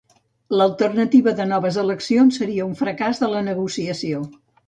l'alternativa de noves eleccions seria un fracàs de la negociació